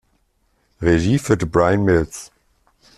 Regie führte Brian Mills.